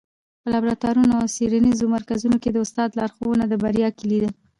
په لابراتوارونو او څېړنیزو مرکزونو کي د استاد لارښوونه د بریا کيلي ده.